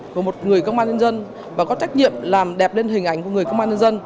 của một người công an nhân dân và có trách nhiệm làm đẹp lên hình ảnh của người công an nhân dân